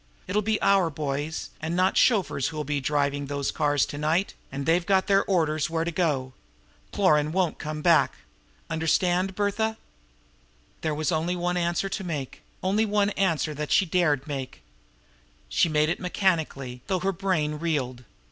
It'll be our boys, and not chauffeurs, who'll be driving those cars to night, and they've got their orders where to go. Cloran won't come back. Understand, Bertha'?" There was only one answer to make, only one answer that she dared make. She made it mechanically, though her brain reeled.